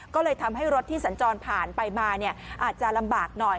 ก็เลยทำให้รถที่สัญจรผ่านไปมาอาจจะลำบากหน่อย